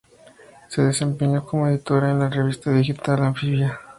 Se desempeñó como editora en la revista digital Anfibia.